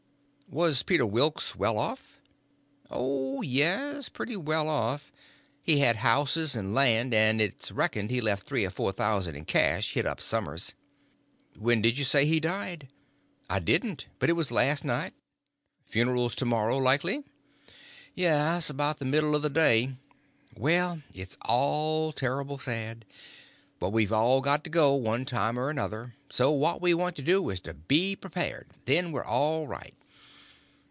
"Was Peter Wilks well off?" "Oh, yes, pretty well off. He had houses and land, and it's reckoned he left three or four thousand in cash hid up som'ers." "When did you say he died?" "I didn't say, but it was last night." "Funeral to morrow, likely?" "Yes, 'bout the middle of the day." "Well, it's all terrible sad; but we've all got to go, one time or another. So what we want to do is to be prepared; then we're all right."